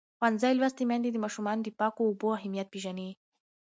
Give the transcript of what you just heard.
ښوونځې لوستې میندې د ماشومانو د پاکو اوبو اهمیت پېژني.